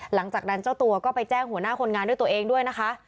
หลังจากนั้นเจ้าตัวก็ไปแจ้งหัวหน้าคนงานด้วยตัวเองด้วยนะคะ